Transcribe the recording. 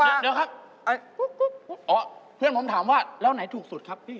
โอ้โฮบาร์บีคิวด้วยไม่เอาแล้วอันนี้